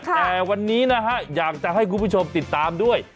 แต่วันนี้นะฮะอยากจะให้คุณผู้ชมติดตามด้วย